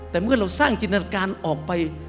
แต่เมื่อเราสร้างจินตนาการออกไป